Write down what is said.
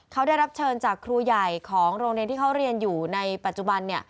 เขาได้รับเชิญจากครูใหญ่ของโรงเรียนที่เขาเรียนอยู่ในปัจจุบัน